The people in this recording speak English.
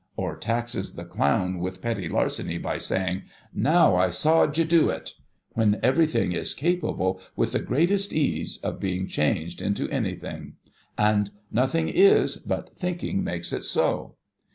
or taxes the Clown with petty larceny, by saying, ' Now, I sawed you do it !' when Everything is capable, with the greatest ease, of being changed into Anything ; and ' Nothing is, but thinking makes it so.'